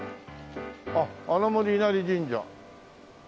あっ「穴守稲荷神社」。